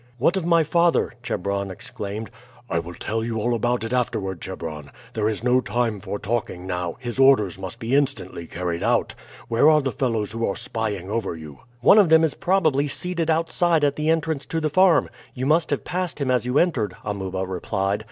"What of my father?" Chebron exclaimed. "I will tell you all about it afterward, Chebron. There is no time for talking now, his orders must be instantly carried out. Where are the fellows who are spying over you?" "One of them is probably seated outside at the entrance to the farm. You must have passed him as you entered," Amuba replied.